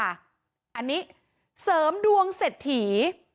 อันนี้เสริมดวงเสร็จถี่